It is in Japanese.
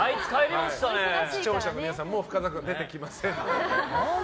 視聴者の皆さんもう深澤君、出てきません。